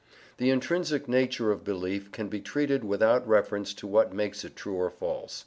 The intrinsic nature of belief can be treated without reference to what makes it true or false.